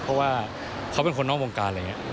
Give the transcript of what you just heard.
เพราะว่าเขาเป็นคนนอกวงการอะไรอย่างนี้